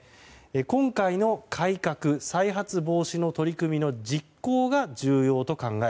今回の改革・再発防止の取り組みの実行が重要と考え